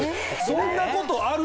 そんなことある？